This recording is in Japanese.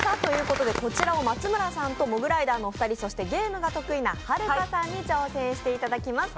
こちらを松村さんとモグライダーのお二人、そしてゲームが得意な、はるかさんに挑戦していただきます。